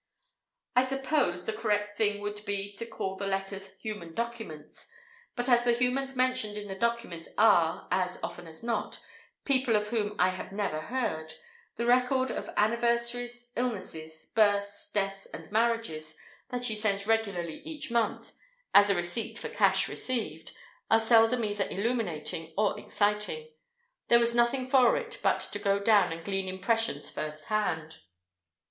I suppose the correct thing would be to call the letters "human documents"; but as the humans mentioned in the documents are, as often as not, people of whom I have never heard, the record of anniversaries, illnesses, births, deaths, and marriages that she sends regularly each month (as a receipt for cash received), are seldom either illuminating or exciting. There was nothing for it but to go down and glean impressions first hand.